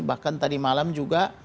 bahkan tadi malam juga